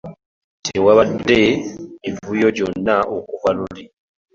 Tewabadde mivuyo gyonna okuva luli.